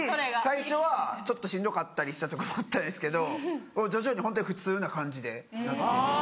最初はちょっとしんどかったりしたとこもあったんですけど徐々にホントに普通な感じでなって。